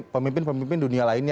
pemimpin pemimpin dunia lainnya